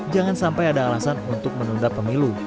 jangan sampai ada alasan untuk menunda pemilu